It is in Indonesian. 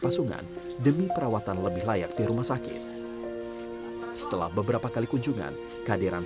pasungan demi perawatan lebih layak di rumah sakit setelah beberapa kali kunjungan kehadiran